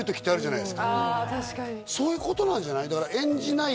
確かにそういうことなんじゃない？